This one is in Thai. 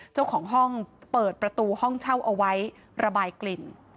เจ้าของห้องเปิดประตูห้องเช่าเอาไว้ระบายกลิ่น